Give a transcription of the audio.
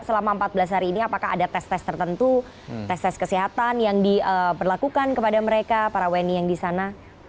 selama empat belas hari ini apakah ada tes tes tertentu tes tes kesehatan yang diperlakukan kepada mereka para wni yang di sana